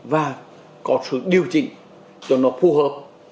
và có sự điều chỉnh cho nó phù hợp